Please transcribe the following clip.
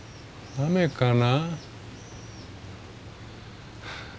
雨かな？